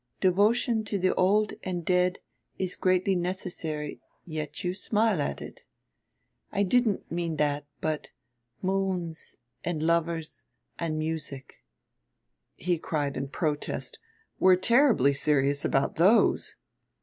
"Devotion to the old and dead is greatly necessary yet you smile at it. I didn't mean that, but moons and lovers and music." He cried in protest, "We're terribly serious about those!"